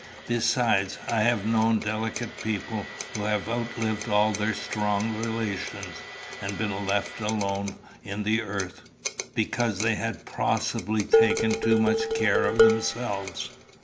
Besides, I have known delicate people who have outlived all their strong relations, and been left alone in the earth because they had possibly taken too much care of themselves.